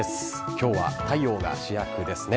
今日は太陽が主役ですね。